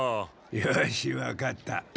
よしわかった。